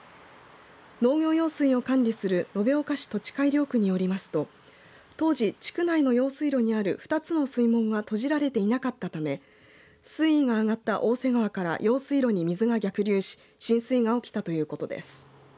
農業用水を管理する延岡市土地改良区によりますと当時、地区内の用水路にある２つの水門が閉じられていなかったため水位が上がった大瀬川から用水路に水が逆流し浸水が起きたということです。